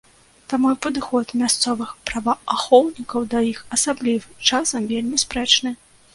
Таму і падыход мясцовых праваахоўнікаў да іх асаблівы, часам, вельмі спрэчны.